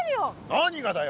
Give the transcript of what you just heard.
何がだよ？